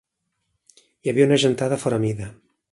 Hi havia una gentada fora mida.